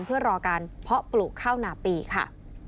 เพื่อรอการเพาะปลูกข้าวหนาปีค่ะ